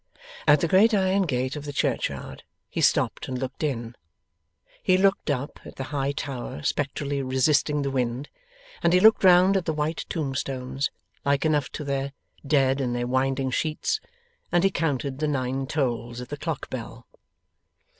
At the great iron gate of the churchyard he stopped and looked in. He looked up at the high tower spectrally resisting the wind, and he looked round at the white tombstones, like enough to the dead in their winding sheets, and he counted the nine tolls of the clock bell.